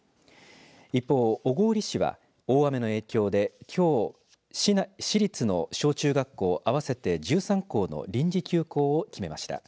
一方、小郡市は大雨の影響できょう市立の小中学校合わせて１３校の臨時休校を決めました。